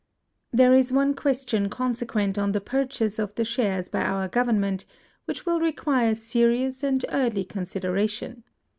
There is one question consequent on the purchase of the shares by our Government, which will require serious and early consid eration.